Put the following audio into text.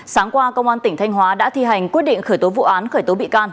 sáng qua công an tỉnh thanh hóa đã thi hành quyết định khởi tố vụ án khởi tố bị can